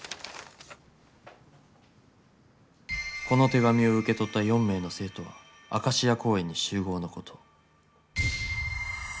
「この手紙を受け取った４名の生徒はアカシア公園に集合のこと」。